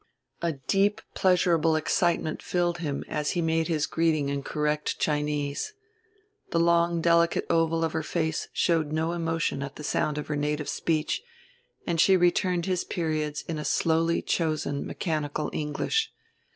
A deep pleasurable excitement filled him as he made his greeting in correct Chinese. The long delicate oval of her face showed no emotion at the sound of her native speech and she returned his periods in a slowly chosen mechanical English.